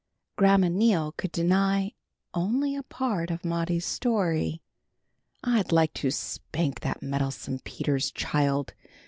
Grandma Neal could deny only a part of Maudie's story. "I'd like to spank that meddlesome Peters child!"